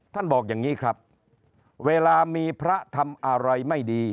บอกอย่างนี้ครับเวลามีพระทำอะไรไม่ดี